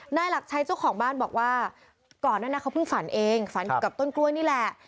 นายหลักชัยเจ้าของบ้านบอกว่าก่อนนั้นเขาเพิ่งฝันเองฝันอยู่กับต้นกล้วยนี่แหละ